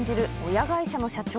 親会社の社長